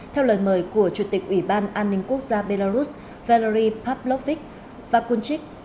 theo lời mời của chủ tịch ủy ban an ninh quốc gia belarus valery pavlovich pakunchik